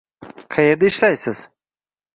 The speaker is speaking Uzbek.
Qayerda ishlaysiz?